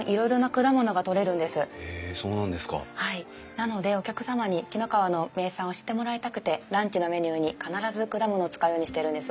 なのでお客様に紀の川の名産を知ってもらいたくてランチのメニューに必ず果物を使うようにしてるんです。